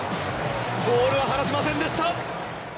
ボールは放しませんでした。